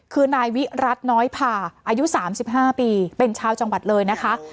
คือนายวิรัติน้อยผ่าอายุ๓๕ปีเป็นชาวจังหวัดเลยนะคะ